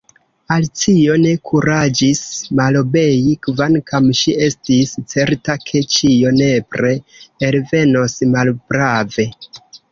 Alicio ne kuraĝis malobei, kvankam ŝi estis certa ke ĉio nepre elvenos malprave.